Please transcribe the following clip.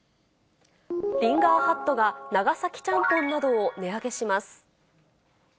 リンガーハットが、長崎ちゃんぽんなどを値上げします。